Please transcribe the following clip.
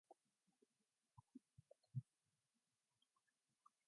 The original intention was for all the songs to be about death.